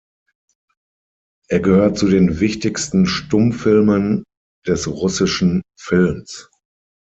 Er gehört zu den wichtigsten Stummfilmen des russischen Films.